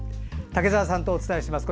竹澤さんとお伝えします。